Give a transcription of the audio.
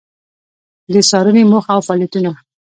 د څــارنـې موخـه او فعالیـتونـه: